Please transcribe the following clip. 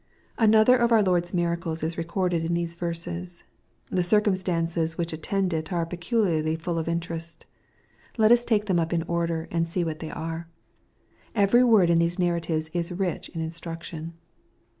Anotheb of our Lord's miracles is recorded in these verses. The circumstances which attend it are peculiarly full of interest. Let us take them up in order, and see what they are. Every word in these narratives is rich in instruction.